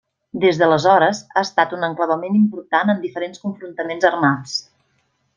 Des d'aleshores, ha estat un enclavament important en diferents confrontaments armats.